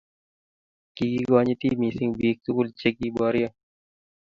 kikonyiti mising biik tugul che kiboryo